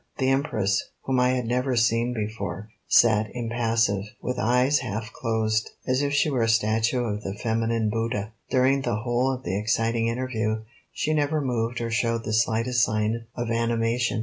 The Empress, whom I had never seen before, sat impassive, with eyes half closed, as if she were a statue of the feminine Buddha. During the whole of the exciting interview she never moved or showed the slightest sign of animation.